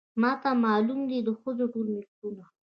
ماته معلومه دي د ښځو ټول مکرونه